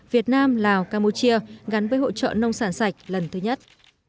việt nam lào campuchia gắn với hỗ trợ nông sản sạch lần thứ nhất